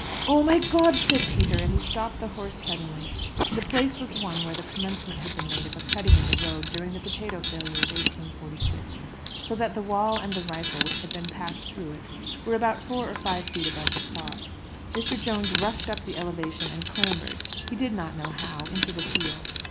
"Oh, my God!" said Peter, and he stopped the horse suddenly. The place was one where the commencement had been made of a cutting in the road during the potato failure of 1846; so that the wall and the rifle which had been passed through it were about four or five feet above the car. Mr. Jones rushed up the elevation, and clambered, he did not know how, into the field.